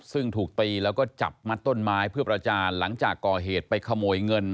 ซึ่งถูกตีแล้วก็จับมัดต้นไม้เพื่อประจานหลังจากก่อเหตุไปขโมยเงิน